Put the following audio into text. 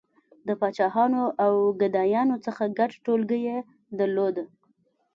• له پاچاهانو او ګدایانو څخه ګډ ټولګی یې درلود.